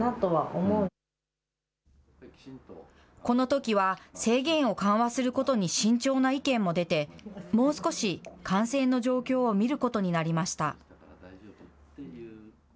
このときは、制限を緩和することに慎重な意見も出て、もう少し感染の状況を見ることになりました。